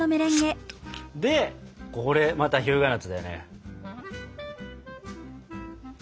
でこれまた日向夏だよね。